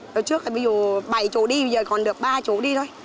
trước bây giờ bảy chỗ đi bây giờ còn được ba chỗ đi thôi